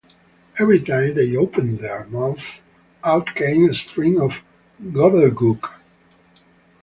Every time they opened their mouth out came a stream of gobbledygook.